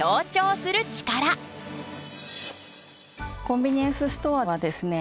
コンビニエンスストアはですね